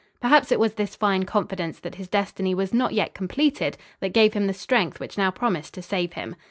Perhaps it was this fine confidence that his destiny was not yet completed that gave him the strength which now promised to save him.